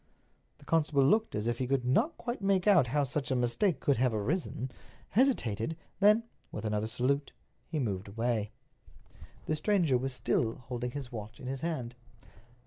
The constable looked as if he could not quite make out how such a mistake could have arisen, hesitated, then, with another salute, he moved away. The stranger was still holding his watch in his hand.